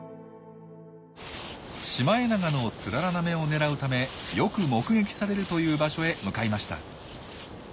シマエナガのツララなめをねらうためよく目撃されるという場所へ向かいました。